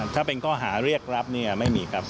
ถ้าเป็นข้อหาเรียกรับเนี่ยไม่มีครับ